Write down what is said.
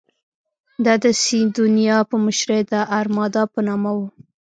دا د سیدونیا په مشرۍ د ارمادا په نامه وه.